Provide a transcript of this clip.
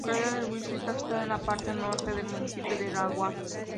La localidad de Huici está situada en la parte Norte del municipio de Larráun.